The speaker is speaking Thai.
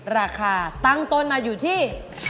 ราคาตั้งต้นมาอยู่ที่